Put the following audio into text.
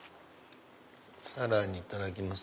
さらにいただきます。